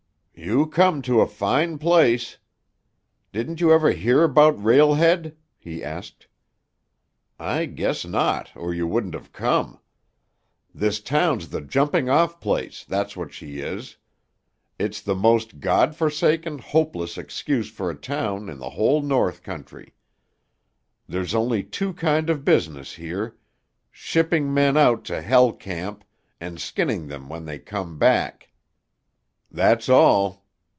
"You come to a fine place. Didn't you ever hear 'bout Rail Head?" he asked. "I guess not, or you wouldn't have come. This town's the jumping off place, that's what she is. It's the most God forsaken, hopeless excuse for a town in the whole North Country. There's only two kind of business here—shipping men out to Hell Camp and skinning them when they come back. That's all.